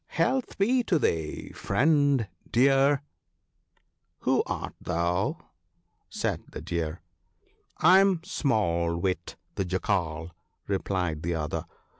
" Health be to thee, friend Deer !"" Who art thou ?" said the Deer. " I'm Small wit, the Jackal," replied the other.